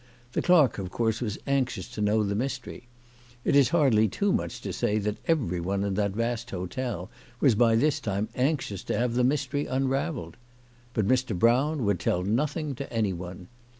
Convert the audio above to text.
The clerk of course was anxious to know the mystery. It is hardly too much to say that everyone in that vast hotel was by this time anxious to have the mystery unravelled. But Mr. Brown would tell nothing to anyone.